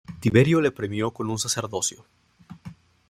Tiberio le premió con un sacerdocio.